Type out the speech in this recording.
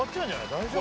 大丈夫？